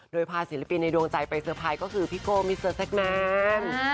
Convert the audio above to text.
โดยพาศิลปินในดวงใจไปเซอร์ไพรส์ก็คือพี่โก้มิเตอร์เซ็กแมน